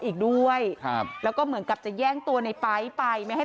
อีกด้วยครับแล้วก็เหมือนกับจะแย่งตัวในไป๊ไปไม่ให้